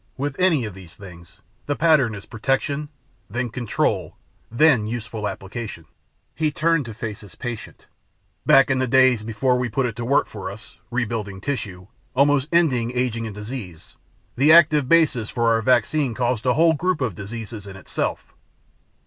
With any of these things, the pattern is protection, then control, then useful application." He turned to face his patient, "Back in the days before we put it to work for us rebuilding tissue, almost ending aging and disease the active basis for our vaccine caused a whole group of diseases, in itself."